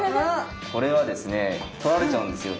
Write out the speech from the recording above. これはですね取られちゃうんですよ。